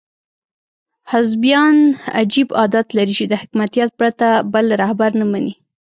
حزبیان عجیب عادت لري چې د حکمتیار پرته بل رهبر نه مني.